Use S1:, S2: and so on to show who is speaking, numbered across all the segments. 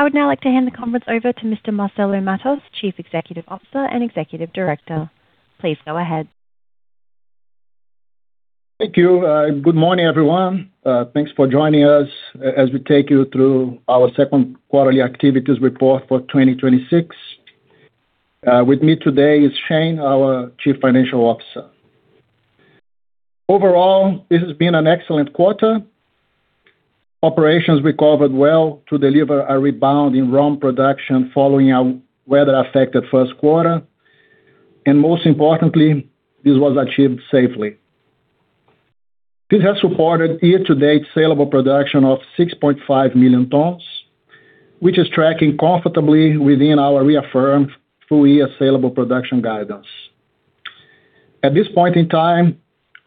S1: I would now like to hand the conference over to Mr. Marcelo Matos, Chief Executive Officer and Executive Director. Please go ahead.
S2: Thank you. Good morning, everyone. Thanks for joining us as we take you through our second quarterly activities report for 2026. With me today is Shane, our Chief Financial Officer. Overall, this has been an excellent quarter. Operations recovered well to deliver a rebound in ROM production following our weather-affected first quarter, and most importantly, this was achieved safely. This has supported year-to-date saleable production of 6.5 million tonnes, which is tracking comfortably within our reaffirmed full-year saleable production guidance. At this point in time,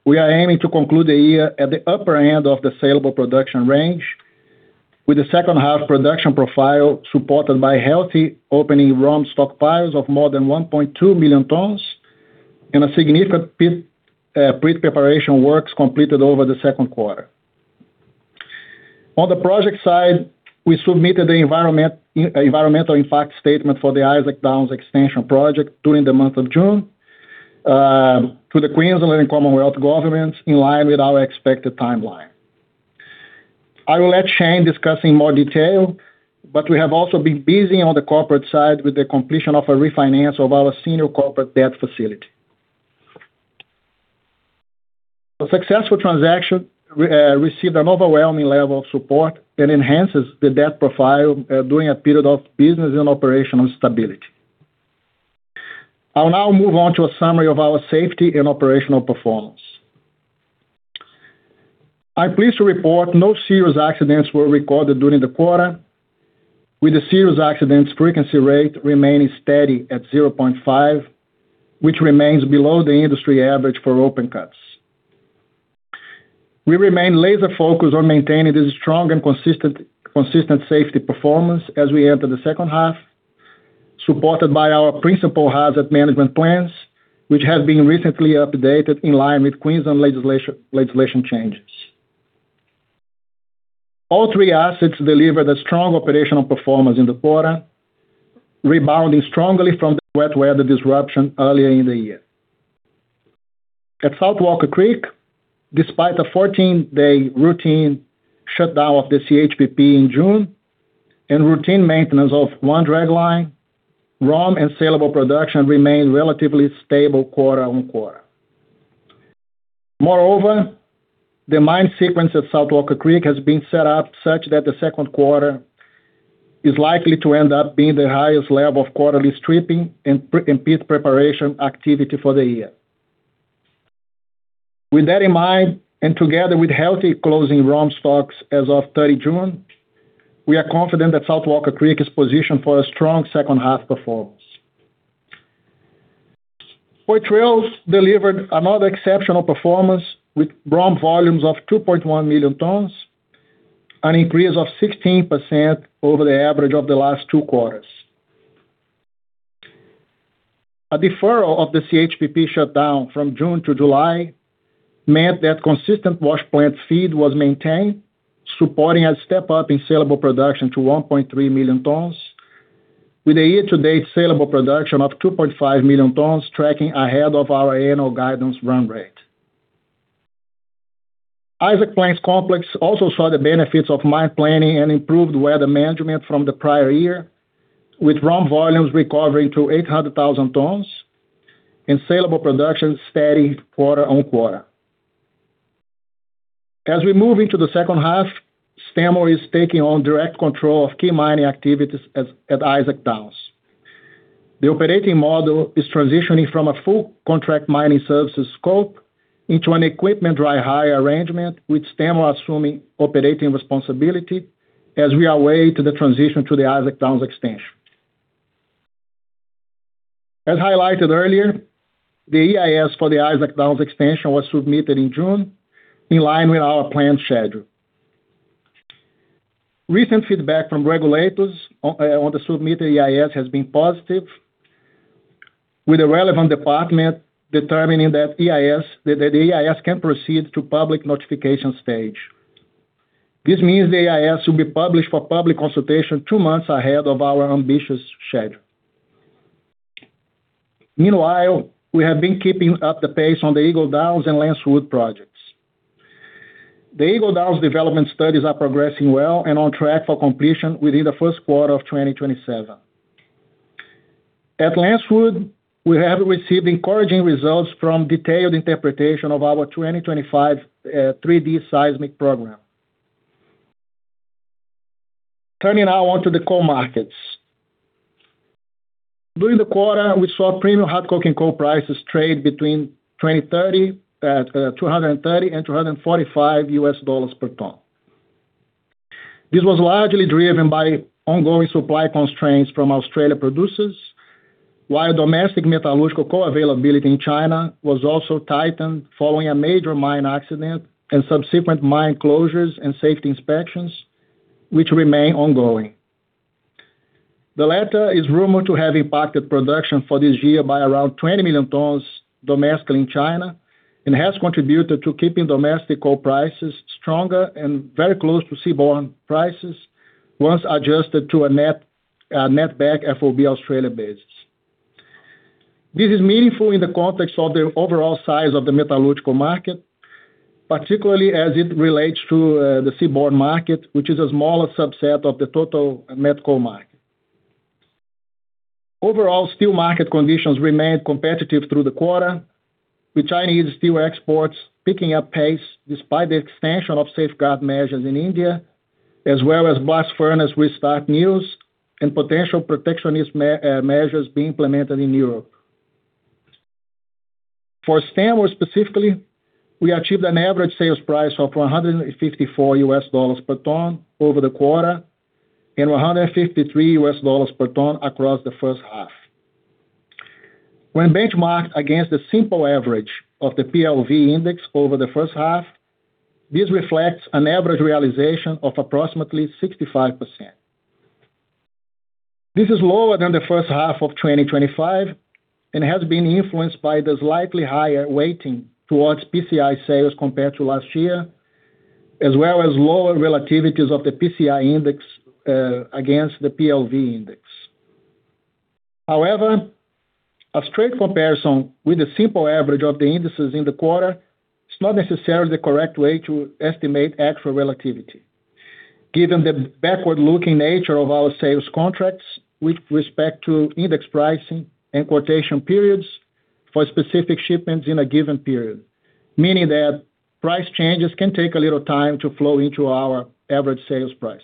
S2: we are aiming to conclude the year at the upper end of the saleable production range, with the second half production profile supported by healthy opening ROM stockpiles of more than 1.2 million tonnes and significant pit preparation works completed over the second quarter. On the project side, we submitted the Environmental Impact Statement for the Isaac Downs Extension project during the month of June to the Queensland and Commonwealth governments in line with our expected timeline. I will let Shane discuss in more detail. We have also been busy on the corporate side with the completion of a refinance of our senior corporate debt facility. The successful transaction received an overwhelming level of support and enhances the debt profile during a period of business and operational stability. I will now move on to a summary of our safety and operational performance. I am pleased to report no serious accidents were recorded during the quarter, with the Serious Accident Frequency Rate remaining steady at 0.5, which remains below the industry average for open cuts. We remain laser focused on maintaining this strong and consistent safety performance as we enter the second half, supported by our principal hazard management plans, which have been recently updated in line with Queensland legislation changes. All three assets delivered a strong operational performance in the quarter, rebounding strongly from the wet weather disruption earlier in the year. At South Walker Creek, despite a 14-day routine shutdown of the CHPP in June and routine maintenance of one dragline, ROM and saleable production remained relatively stable quarter-on-quarter. Moreover, the mine sequence at South Walker Creek has been set up such that the second quarter is likely to end up being the highest level of quarterly stripping and pit preparation activity for the year. With that in mind, and together with healthy closing ROM stocks as of 30 June, we are confident that South Walker Creek is positioned for a strong second-half performance. Poitrel delivered another exceptional performance, with ROM volumes of 2.1 million tonnes, an increase of 16% over the average of the last two quarters. A deferral of the CHPP shutdown from June to July meant that consistent wash plant feed was maintained, supporting a step up in saleable production to 1.3 million tonnes, with a year-to-date saleable production of 2.5 million tonnes tracking ahead of our annual guidance run rate. Isaac Plains Complex also saw the benefits of mine planning and improved weather management from the prior year, with ROM volumes recovering to 800,000 tonnes and saleable production steady quarter-on-quarter. As we move into the second half, Stanmore is taking on direct control of key mining activities at Isaac Downs. The operating model is transitioning from a full contract mining services scope into an equipment dry hire arrangement, with Stanmore assuming operating responsibility as we are away to the transition to the Isaac Downs Extension. As highlighted earlier, the EIS for the Isaac Downs Extension was submitted in June in line with our planned schedule. Recent feedback from regulators on the submitted EIS has been positive, with the relevant department determining that the EIS can proceed to public notification stage. This means the EIS will be published for public consultation two months ahead of our ambitious schedule. Meanwhile, we have been keeping up the pace on the Eagle Downs and Lancewood projects. The Eagle Downs development studies are progressing well and on track for completion within the first quarter of 2027. At Lancewood, we have received encouraging results from detailed interpretation of our 2025 3D seismic program. Turning now onto the coal markets. During the quarter, we saw premium coking coal prices trade between $230 and $245 per tonne. This was largely driven by ongoing supply constraints from Australian producers, while domestic metallurgical coal availability in China was also tightened following a major mine accident and subsequent mine closures and safety inspections, which remain ongoing. The latter is rumored to have impacted production for this year by around 20 million tons domestically in China, and has contributed to keeping domestic coal prices stronger and very close to seaborne prices, once adjusted to a net back FOB Australia basis. This is meaningful in the context of the overall size of the metallurgical market, particularly as it relates to the seaborne market, which is a smaller subset of the total met coal market. Overall, steel market conditions remained competitive through the quarter, with Chinese steel exports picking up pace despite the extension of safeguard measures in India, as well as blast furnace restart news and potential protectionist measures being implemented in Europe. For Stanmore specifically, we achieved an average sales price of $154 per ton over the quarter and $153 per ton across the first half. When benchmarked against the simple average of the PLV index over the first half, this reflects an average realization of approximately 65%. This is lower than the first half of 2025 and has been influenced by the slightly higher weighting towards PCI sales compared to last year, as well as lower relativities of the PCI index against the PLV index. However, a straight comparison with the simple average of the indices in the quarter is not necessarily the correct way to estimate actual relativity given the backward-looking nature of our sales contracts with respect to index pricing and quotation periods for specific shipments in a given period, meaning that price changes can take a little time to flow into our average sales prices.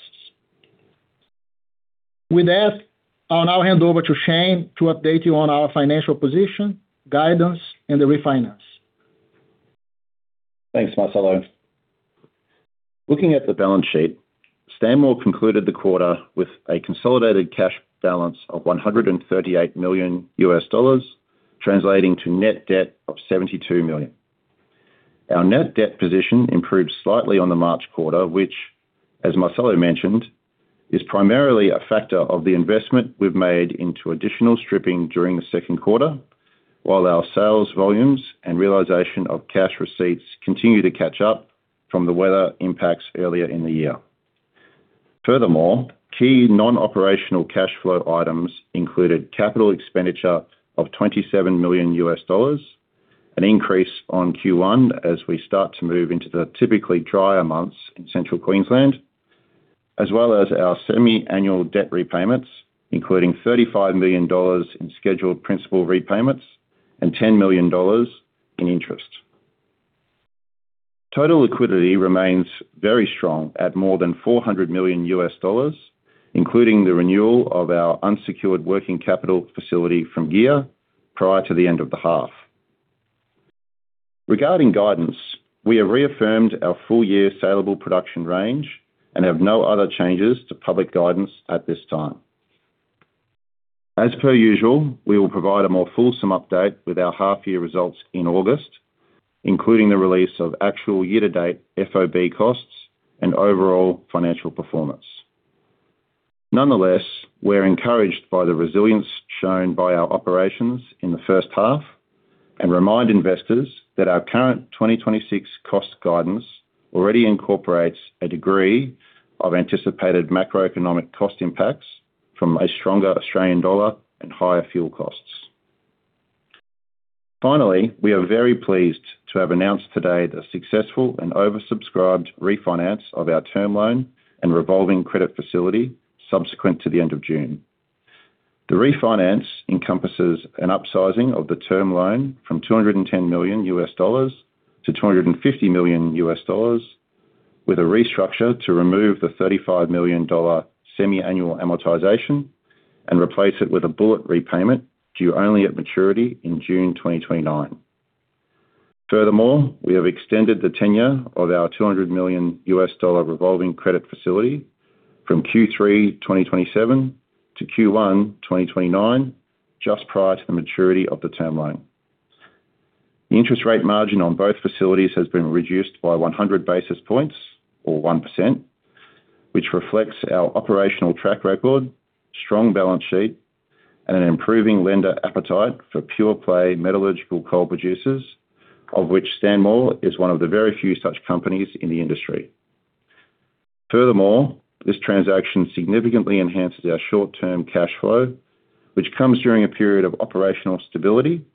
S2: I'll now hand over to Shane to update you on our financial position, guidance, and the refinance.
S3: Thanks, Marcelo. Looking at the balance sheet, Stanmore concluded the quarter with a consolidated cash balance of $138 million, translating to net debt of $72 million. Our net debt position improved slightly on the March quarter, which, as Marcelo mentioned, is primarily a factor of the investment we've made into additional stripping during the second quarter, while our sales volumes and realization of cash receipts continue to catch up from the weather impacts earlier in the year. Key non-operational cash flow items included capital expenditure of $27 million, an increase on Q1 as we start to move into the typically drier months in Central Queensland, as well as our semi-annual debt repayments, including $35 million in scheduled principal repayments and $10 million in interest. Total liquidity remains very strong at more than $400 million, including the renewal of our unsecured working capital facility from GEAR prior to the end of the half. We have reaffirmed our full year saleable production range and have no other changes to public guidance at this time. We will provide a more fulsome update with our half year results in August, including the release of actual year-to-date FOB costs and overall financial performance. We're encouraged by the resilience shown by our operations in the first half and remind investors that our current 2026 cost guidance already incorporates a degree of anticipated macroeconomic cost impacts from a stronger Australian dollar and higher fuel costs. We are very pleased to have announced today the successful and oversubscribed refinance of our term loan and revolving credit facility subsequent to the end of June. The refinance encompasses an upsizing of the term loan from $210 million-$250 million, with a restructure to remove the $35 million semi-annual amortization and replace it with a bullet repayment due only at maturity in June 2029. We have extended the tenure of our $200 million revolving credit facility from Q3 2027 to Q1 2029, just prior to the maturity of the term loan. The interest rate margin on both facilities has been reduced by 100 basis points, or 1%, which reflects our operational track record, strong balance sheet, and an improving lender appetite for pure play metallurgical coal producers, of which Stanmore is one of the very few such companies in the industry. This transaction significantly enhances our short-term cash flow, which comes during a period of operational stability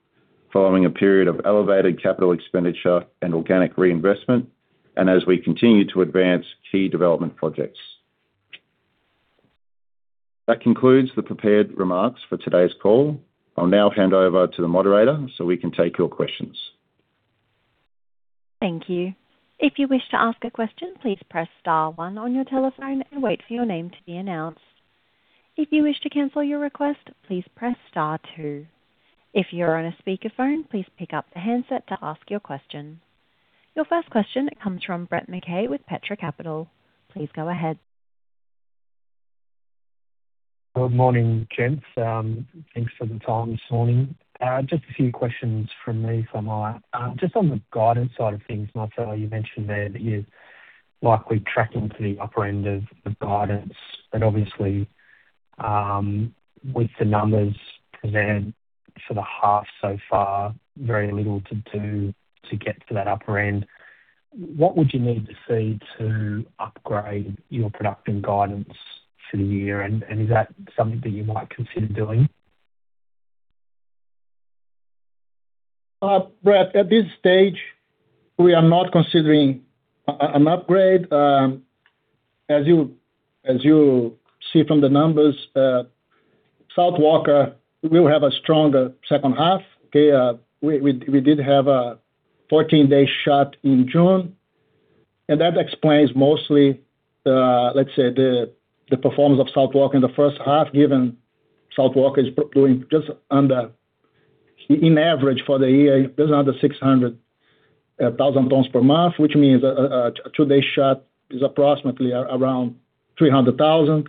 S3: following a period of elevated capital expenditure and organic reinvestment, and as we continue to advance key development projects. That concludes the prepared remarks for today's call. I'll now hand over to the moderator so we can take your questions.
S1: Thank you. If you wish to ask a question, please press star one on your telephone and wait for your name to be announced. If you wish to cancel your request, please press star two. If you're on a speakerphone, please pick up the handset to ask your question. Your first question comes from Brett McKay with Petra Capital. Please go ahead.
S4: Good morning, gents. Thanks for the time this morning. Just a few questions from me if I might. Just on the guidance side of things, Marcelo, you mentioned there that likely tracking to the upper end of the guidance. Obviously, with the numbers presented for the half so far, very little to do to get to that upper end. What would you need to see to upgrade your production guidance for the year, and is that something that you might consider doing?
S2: Brett, at this stage, we are not considering an upgrade. As you see from the numbers, South Walker will have a stronger second half. Okay. We did have a 14-day shut in June, and that explains mostly, let's say, the performance of South Walker in the first half, given South Walker is doing just under, in average for the year, just under 600,000 tons per month, which means a two-day shut is approximately around 300,000.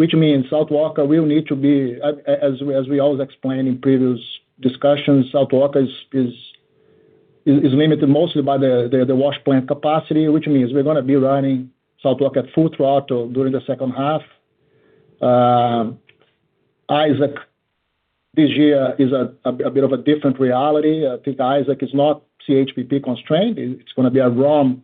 S2: Which means South Walker will need to be, as we always explain in previous discussions, South Walker is limited mostly by the wash plant capacity, which means we're gonna be running South Walker at full throttle during the second half. Isaac, this year is a bit of a different reality. I think Isaac is not CHPP constrained. It's gonna be a ROM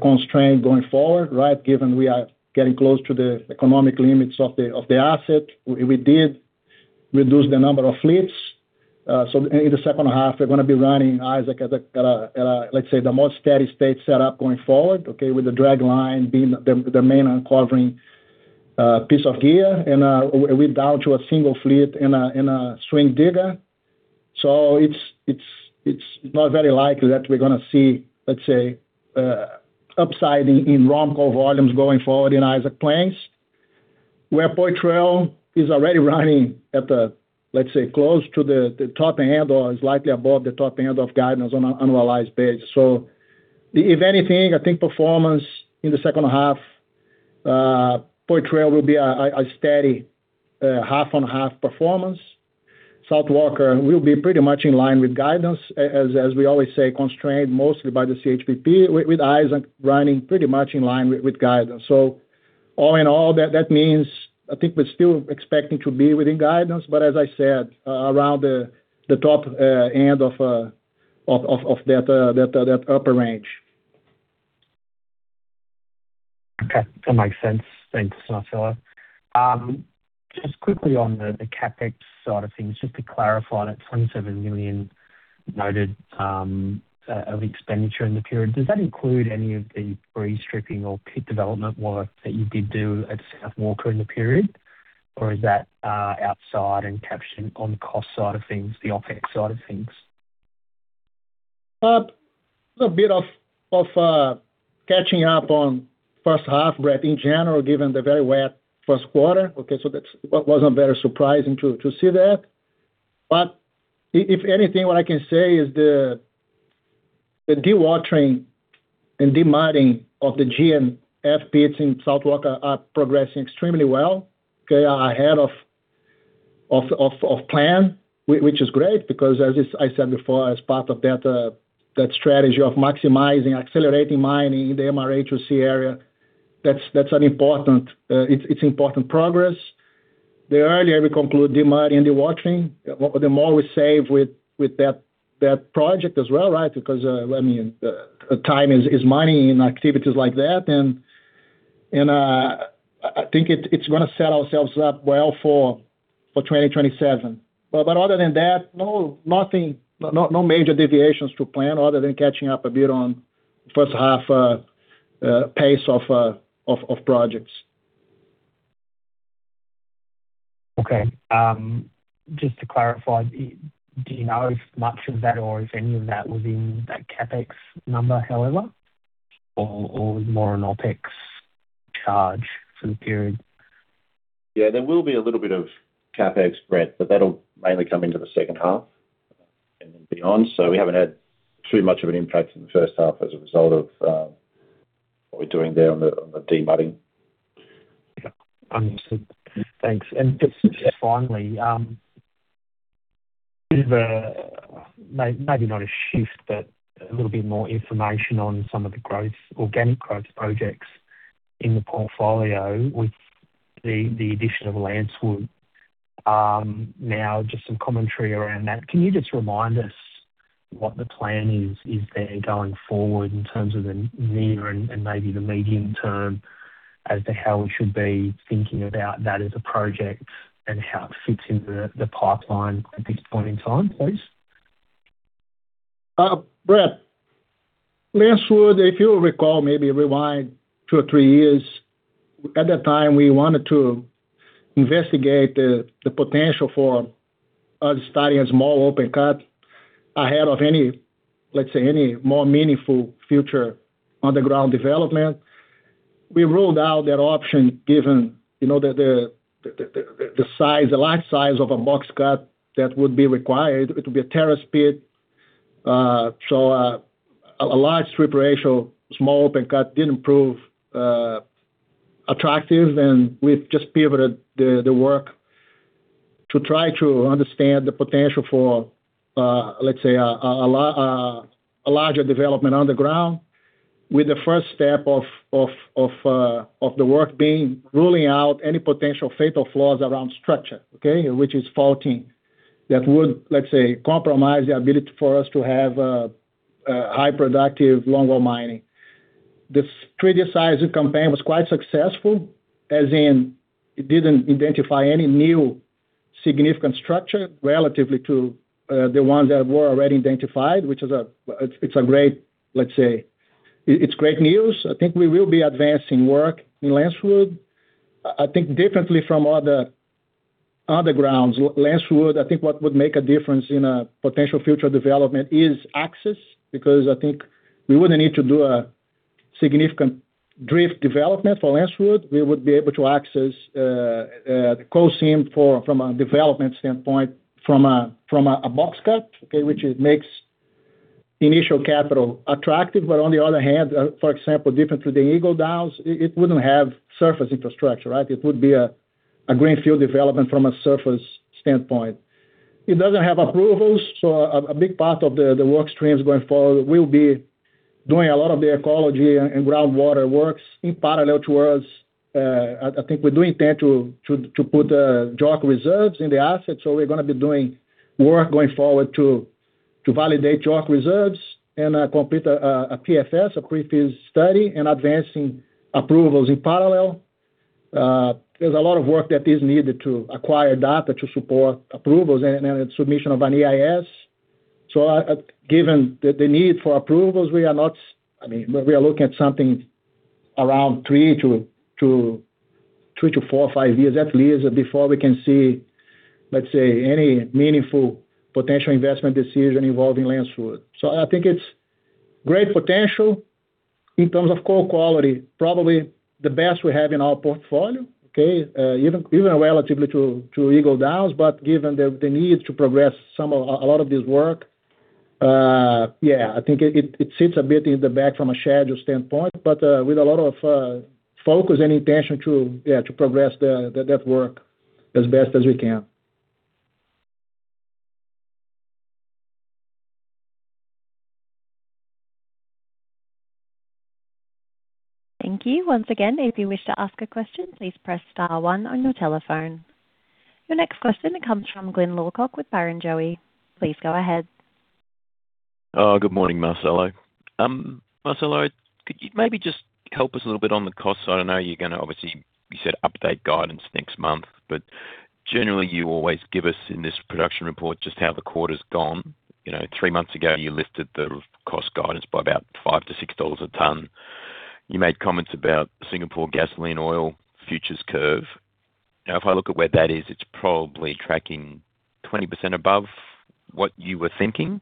S2: constraint going forward, right? Given we are getting close to the economic limits of the asset. We did reduce the number of fleets. In the second half, we're gonna be running Isaac at a, let's say, the most steady state setup going forward, okay, with the dragline being the main uncovering piece of gear. We're down to a single fleet and a swing digger. It's not very likely that we're gonna see, let's say, upside in ROM ore volumes going forward in Isaac Plains. Where Poitrel is already running at the, let's say, close to the top end or is likely above the top end of guidance on an annualized base. If anything, I think performance in the second half, Poitrel will be a steady half-on-half performance. South Walker will be pretty much in line with guidance, as we always say, constrained mostly by the CHPP, with Isaac running pretty much in line with guidance. All in all, that means I think we're still expecting to be within guidance, but as I said, around the top end of that upper range.
S4: Okay. That makes sense. Thanks, Marcelo. Just quickly on the CapEx side of things, just to clarify that 27 million noted of expenditure in the period, does that include any of the free stripping or pit development work that you did do at South Walker in the period, or is that outside and captured on the cost side of things, the OpEx side of things?
S2: A bit of catching up on first half, Brett, in general, given the very wet first quarter. Okay. That wasn't very surprising to see that. If anything, what I can say is the dewatering and demudding of the GMF pits in South Walker are progressing extremely well. Okay. Are ahead of plan, which is great because, as I said before, as part of that strategy of maximizing, accelerating mining in the MRHC area. It's important progress. The earlier we conclude demudding and dewatering, the more we save with that project as well, right? Because, I mean, time is money in activities like that, and I think it's gonna set ourselves up well for 2027. Other than that, no major deviations to plan other than catching up a bit on first half pace of projects.
S4: Okay. Just to clarify, do you know if much of that or if any of that was in that CapEx number, however, or more an OpEx charge for the period?
S3: Yeah, there will be a little bit of CapEx, Brett, that'll mainly come into the second half and then beyond. We haven't had too much of an impact in the first half as a result of what we're doing there on the demudding.
S4: Understood. Thanks. Just finally, bit of a, maybe not a shift, but a little bit more information on some of the organic growth projects in the portfolio with the addition of Lancewood. Just some commentary around that. Can you just remind us what the plan is there going forward in terms of the near and maybe the medium-term as to how we should be thinking about that as a project and how it fits into the pipeline at this point in time, please?
S2: Brett, Lancewood, if you recall, maybe rewind two or three years. At that time, we wanted to investigate the potential for us starting a small open cut ahead of any, let's say, any more meaningful future underground development. We ruled out that option, given the large size of a box cut that would be required. It would be a terrace pit. A large strip ratio, small open cut didn't prove attractive, we've just pivoted the work to try to understand the potential for, let's say, a larger development on the ground, with the first step of the work being ruling out any potential fatal flaws around structure, okay, which is faulting. That would, let's say, compromise the ability for us to have high productive longwall mining. This previous size of campaign was quite successful, as in it didn't identify any new significant structure relative to the ones that were already identified, which is great news. I think we will be advancing work in Lancewood. I think differently from other grounds, Lancewood, I think what would make a difference in a potential future development is access, because I think we wouldn't need to do a significant drift development for Lancewood. We would be able to access the coal seam from a development standpoint from a box cut, okay, which it makes initial capital attractive. On the other hand, for example, different to the Eagle Downs, it wouldn't have surface infrastructure, right? It would be a greenfield development from a surface standpoint. It doesn't have approvals, a big part of the work stream is going forward. We'll be doing a lot of the ecology and groundwater works in parallel to us. I think we do intend to put the JORC reserves in the assets, we're gonna be doing work going forward to validate JORC reserves and complete a PFS, a pre-feasibility study, and advancing approvals in parallel. There's a lot of work that is needed to acquire data to support approvals and submission of an EIS. Given the need for approvals, we are looking at something around three to four or five years, at least, before we can see, let's say, any meaningful potential investment decision involving Lancewood. I think it's great potential in terms of coal quality, probably the best we have in our portfolio, okay? Even relative to Eagle Downs, given the need to progress a lot of this work, I think it sits a bit in the back from a schedule standpoint, with a lot of focus and intention to progress that work as best as we can.
S1: Thank you. Once again, if you wish to ask a question, please press star one on your telephone. Your next question comes from Glyn Lawcock with Barrenjoey. Please go ahead.
S5: Good morning, Marcelo. Marcelo, could you maybe just help us a little bit on the cost side? I know you are going to obviously, you said update guidance next month, but generally you always give us in this production report just how the quarter's gone. Three months ago, you lifted the cost guidance by about 5-6 dollars a ton. You made comments about Singapore gasoline oil futures curve. If I look at where that is, it's probably tracking 20% above what you were thinking.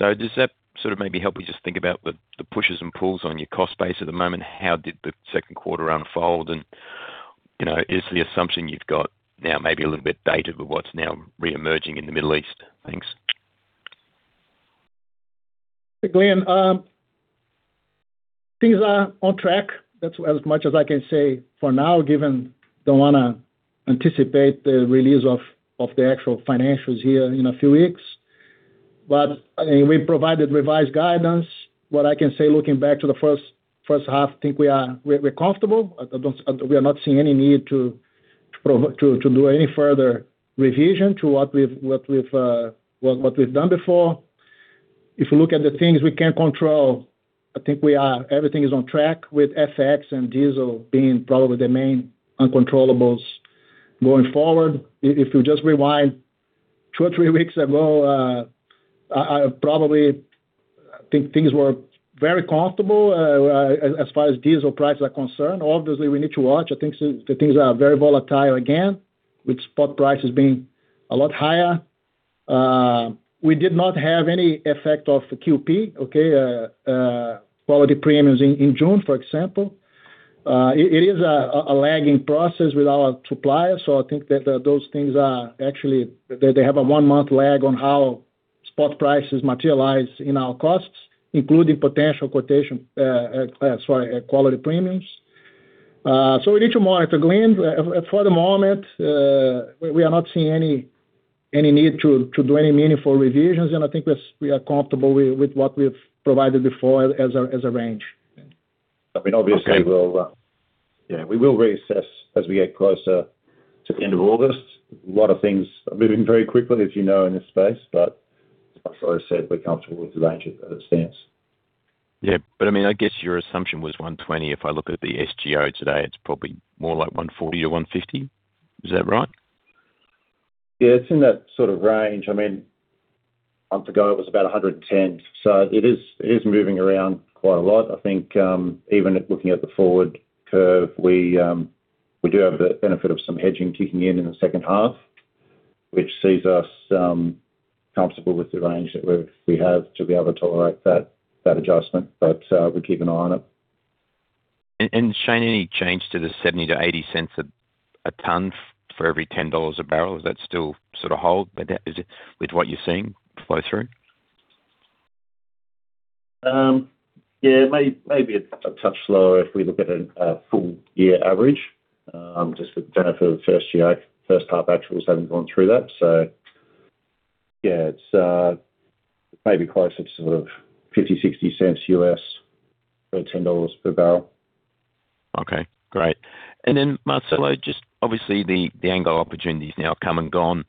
S5: Does that sort of maybe help me just think about the pushes and pulls on your cost base at the moment? How did the second quarter unfold? Is the assumption you've got now maybe a little bit dated with what's now re-emerging in the Middle East? Thanks.
S2: Hey, Glyn. Things are on track. That's as much as I can say for now, given do not want to anticipate the release of the actual financials here in a few weeks. We have provided revised guidance. What I can say, looking back to the first half, think we are comfortable. We are not seeing any need to do any further revision to what we have done before. If you look at the things we can control, I think everything is on track with FX and diesel being probably the main uncontrollables going forward. If you just rewind two or three weeks ago, probably, I think things were very comfortable, as far as diesel prices are concerned. Obviously, we need to watch. I think things are very volatile again, with spot prices being a lot higher. We did not have any effect of the QP. Quality premiums in June, for example. It is a lagging process with our suppliers. I think that those things are actually, they have a one-month lag on how spot prices materialize in our costs, including potential quality premiums. We need to monitor, Glyn. For the moment, we are not seeing any need to do any meaningful revisions. I think we are comfortable with what we have provided before as a range.
S3: I mean, obviously, we will reassess as we get closer to the end of August. A lot of things are moving very quickly, as you know, in this space. As Marcelo said, we are comfortable with the range as it stands.
S5: Yeah. I guess your assumption was $120. If I look at the SGO today, it's probably more like $140 or $150. Is that right?
S3: Yeah, it's in that sort of range. A month ago it was about $110, it is moving around quite a lot. I think, even looking at the forward curve, we do have the benefit of some hedging kicking in in the second half, which sees us comfortable with the range that we have to be able to tolerate that adjustment. We keep an eye on it.
S5: Shane, any change to the $0.70-$0.80 a ton for every $10 a barrel? Does that still sort of hold with what you're seeing flow through?
S3: Yeah, maybe it's a touch lower if we look at a full year average. Just for the benefit of the first half actuals, haven't gone through that. Yeah, it's maybe closer to sort of $0.50, $0.60 per $10 per barrel.
S5: Okay, great. Marcelo, just obviously the Anglo opportunity has now come and gone.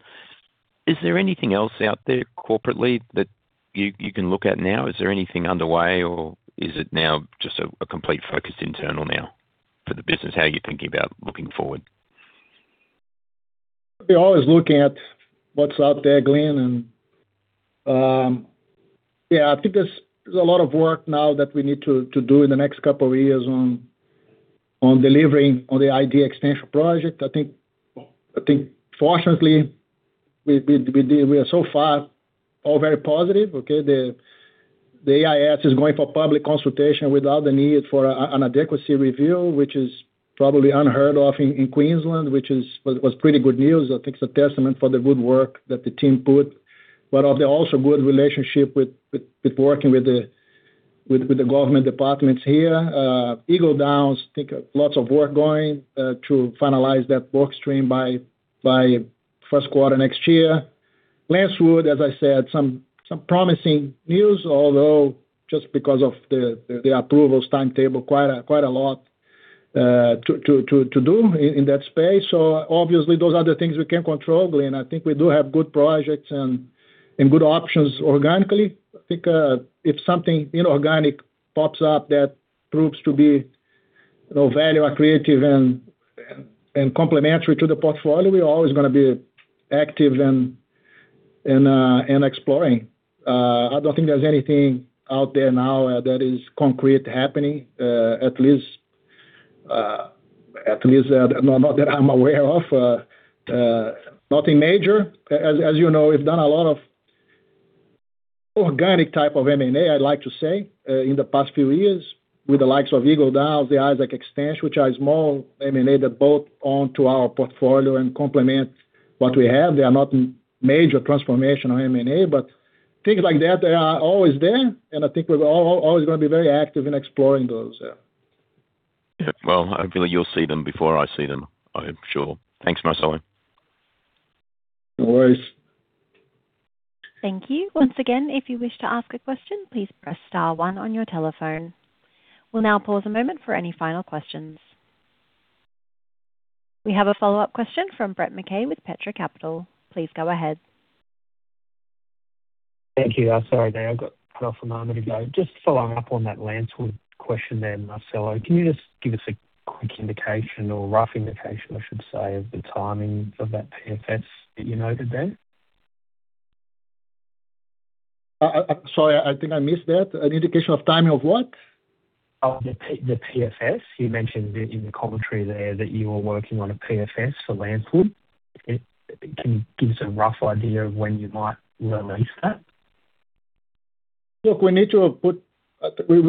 S5: Is there anything else out there corporately that you can look at now? Is there anything underway or is it now just a complete focus internal now for the business? How are you thinking about looking forward?
S2: We're always looking at what's out there, Glyn. Yeah, I think there's a lot of work now that we need to do in the next couple of years on delivering on the Isaac extension project. I think fortunately, we are so far all very positive. Okay. The EIS is going for public consultation without the need for an adequacy review, which is probably unheard of in Queensland, which was pretty good news. I think it's a testament for the good work that the team put. Also good relationship with working with the government departments here. Eagle Downs, think lots of work going to finalize that work stream by first quarter next year. Lancewood, as I said, some promising news, although just because of the approvals timetable, quite a lot to do in that space. Obviously those are the things we can't control, Glyn. I think we do have good projects and good options organically. I think if something inorganic pops up that proves to be value accretive and complementary to the portfolio, we're always going to be active and exploring. I don't think there's anything out there now that is concrete happening, at least not that I'm aware of. Nothing major. As you know, we've done a lot of organic type of M&A, I'd like to say, in the past few years with the likes of Eagle Downs, the Isaac Ext, which are small M&A that bolt on to our portfolio and complement what we have. They are not major transformational M&A, but things like that are always there, and I think we're always going to be very active in exploring those, yeah.
S5: Yeah. Well, hopefully you'll see them before I see them, I am sure. Thanks, Marcelo.
S2: No worries.
S1: Thank you. Once again, if you wish to ask a question, please press star one on your telephone. We'll now pause a moment for any final questions. We have a follow-up question from Brett McKay with Petra Capital. Please go ahead.
S4: Thank you. Sorry there, I got cut off a moment ago. Just following up on that Lancewood question there, Marcelo. Can you just give us a quick indication or rough indication, I should say, of the timing of that PFS that you noted there?
S2: Sorry, I think I missed that. An indication of timing of what?
S4: Of the PFS. You mentioned in the commentary there that you are working on a PFS for Lancewood. Can you give us a rough idea of when you might release that?
S2: Look, we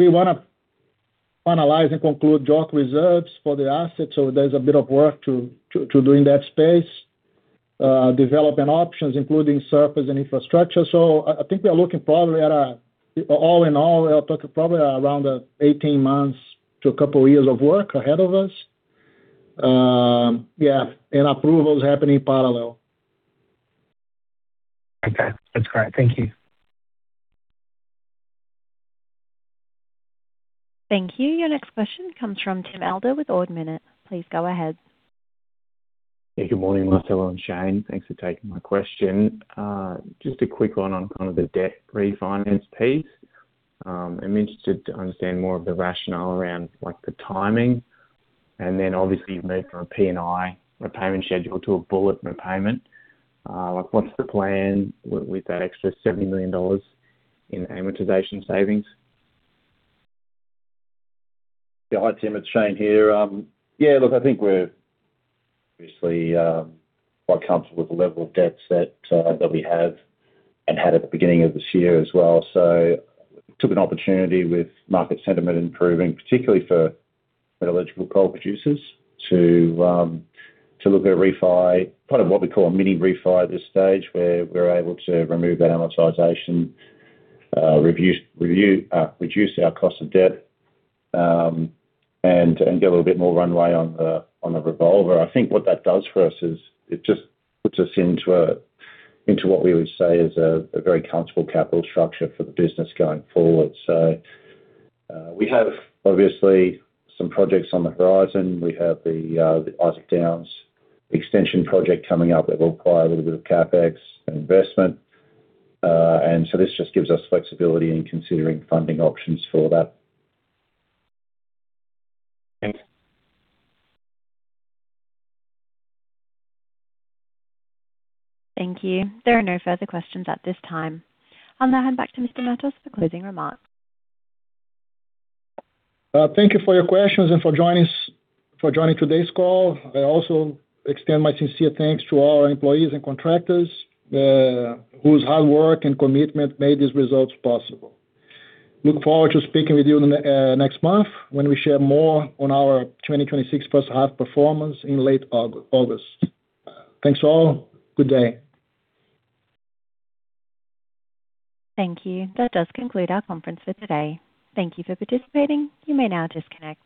S2: want to finalize and conclude JORC reserves for the asset. There's a bit of work to do in that space. Developing options, including surface and infrastructure. I think we are looking probably at a, all in all, we are talking probably around 18 months to a couple of years of work ahead of us. Approvals happen in parallel.
S4: Okay, that's great. Thank you.
S1: Thank you. Your next question comes from Tim Elder with Ord Minnett. Please go ahead.
S6: Good morning, Marcelo and Shane. Thanks for taking my question. Just a quick one on kind of the debt refinance piece. I'm interested to understand more of the rationale around the timing. Obviously you've moved from a P&I repayment schedule to a bullet repayment. What's the plan with that extra $70 million in amortization savings?
S3: Hi Tim, it's Shane here. Look, I think we're obviously quite comfortable with the level of debts that we have and had at the beginning of this year as well. We took an opportunity with market sentiment improving, particularly for eligible coal producers to look at a refi, kind of what we call a mini refi at this stage, where we're able to remove that amortization, reduce our cost of debt, and get a little bit more runway on the revolver. I think what that does for us is it just puts us into what we would say is a very comfortable capital structure for the business going forward. We have obviously some projects on the horizon. We have the Isaac Downs extension project coming up that will require a little bit of CapEx and investment. This just gives us flexibility in considering funding options for that.
S6: Thanks.
S1: Thank you. There are no further questions at this time. I'll now hand back to Mr. Matos for closing remarks.
S2: Thank you for your questions and for joining today's call. I also extend my sincere thanks to all our employees and contractors, whose hard work and commitment made these results possible. I look forward to speaking with you next month when we share more on our 2026 first half performance in late August. Thanks all. Good day.
S1: Thank you. That does conclude our conference for today. Thank you for participating. You may now disconnect.